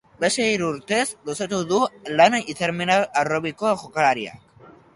Beste hiru urtez luzatu du lan hitzarmena harrobiko jokalariak.